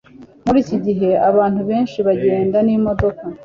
muri iki gihe abantu benshi bagenda n'imodoka